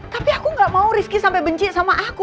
tapi aku gak mau rizky sampai benci sama aku